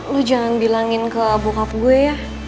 lo jangan bilangin ke bokap gue ya